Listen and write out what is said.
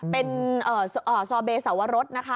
เป็นซอเบเซาะรสนะคะ